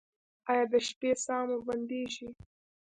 ایا د شپې ساه مو بندیږي؟